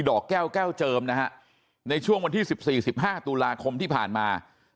อกแก้วแก้วเจิมนะฮะในช่วงวันที่๑๔๑๕ตุลาคมที่ผ่านมา